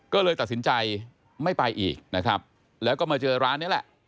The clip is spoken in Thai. ก็เลยตัดสินใจไม่ไปอีกนะครับแล้วก็มาเจอร้านนี้แหละ